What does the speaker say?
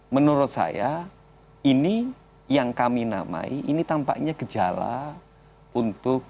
menurut saya ini yang kami namai ini tampaknya gejala untuk